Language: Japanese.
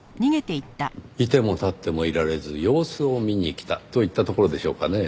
いてもたってもいられず様子を見に来たといったところでしょうかねぇ。